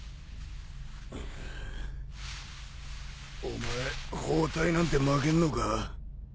お前包帯なんて巻けんのか？